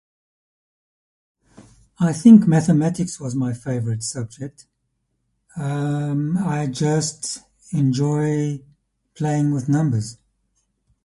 I think mathematics was my favorite subject. Um, I just enjoy playing with numbers.